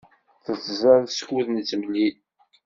Tettzad skud nettemlil.